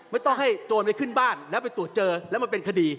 ไม่ต้องให้โจรไปขึ้นบ้านแล้วไปตรวจเจอแล้วมันเป็นคดี